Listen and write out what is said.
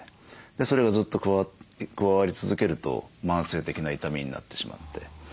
それがずっと加わり続けると慢性的な痛みになってしまって。